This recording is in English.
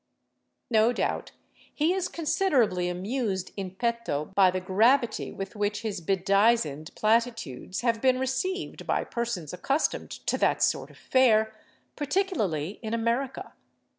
No doubt he is considerably amused in petto by the gravity with which his bedizened platitudes have been received by persons accustomed to that sort of fare, particularly in America.